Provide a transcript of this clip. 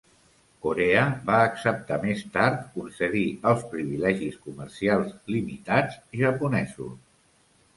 Corea va acceptar més tard concedir els privilegis comercials limitats japonesos.